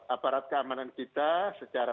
aparat keamanan kita secara